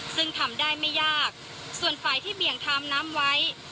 ซึ่งทำได้ไม่ยากส่วนฝ่ายที่เบี่ยงทามน้ำไว้